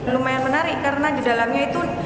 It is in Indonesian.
lumayan menarik karena di dalamnya itu